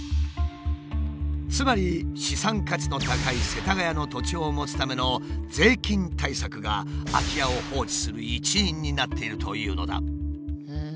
つまり資産価値の高い世田谷の土地を持つための税金対策が空き家を放置する一因になっているというのだ。